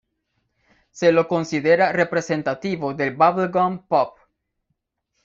Se lo considera representativo del bubblegum pop.